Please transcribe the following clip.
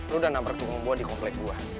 lu udah nampak tukang buah di komplek gua